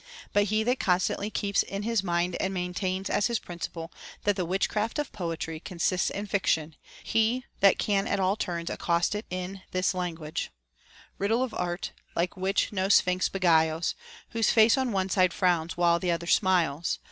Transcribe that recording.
But he that constantly keeps in his mind and maintains as his principle that the witchcraft of poetry consists in fiction, he that can at all turns accost it in this language, — Riddle of art ! like which no sphinx beguiles ; Whose face on one side frowns while th' other smiles